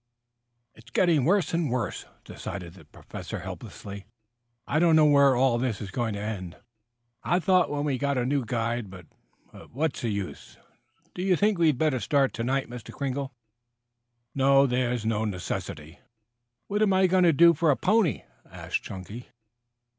"It's getting worse and worse," decided the Professor helplessly. "I don't know where all this is going to end. I thought when we got a new guide but what's the use? Do you think we had better start to night, Mr. Kringle?" "No. There is no necessity." "What am I going to do for a pony?" asked Chunky.